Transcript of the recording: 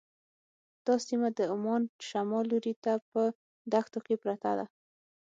دا سیمه د عمان شمال لوري ته په دښتو کې پرته ده.